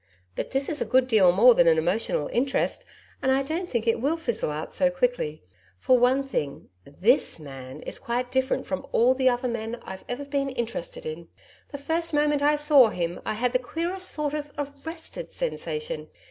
But this is a good deal more than an emotional interest, and I don't think it will fizzle out so quickly. For one thing, THIS man is quite different from all the other men I've ever been interested in. The first moment I saw him, I had the queerest sort of ARRESTED sensation.